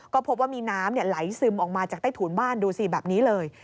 ก็พบว่ามีน้ำไหลซึมออกมาจากใต้ถูนบ้านดูสิแบบนี้เลย